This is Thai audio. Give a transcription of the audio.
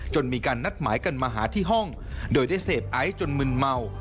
มีการนัดหมายกันมาหาที่ห้องโดยได้เสพไอซ์จนมึนเมา